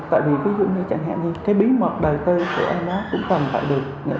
tại vì ví dụ như chẳng hạn như cái bí mật đời tư trẻ em đó cũng cần phải